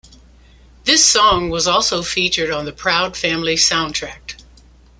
This song was also featured on "The Proud Family Soundtrack".